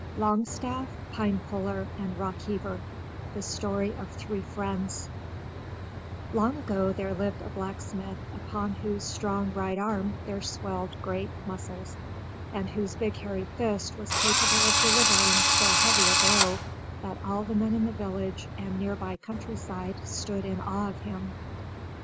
LONGSTAFF, PINEPULLER AND ROCKHEAVER The Story of Three Friends Long ago there lived a blacksmith upon whose strong right arm there swelled great muscles and whose big hairy fist was capable of delivering so heavy a blow that all the men in the village and nearby countryside stood in awe of him.